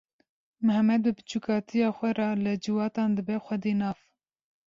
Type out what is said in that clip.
Mihemed bi biçûkatiya xwe re li civatan dibe xwedî nav.